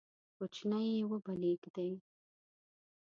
کوچنی یې وبلېږدی،